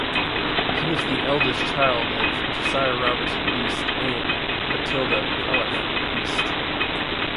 He was the eldest child of Josiah Robertson East and Matilda (Callahan) East.